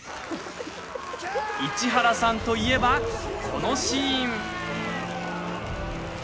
市原さんといえば、このシーン。